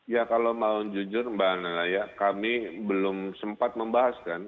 ya kalau mau jujur mbak nana ya kami belum sempat membahas kan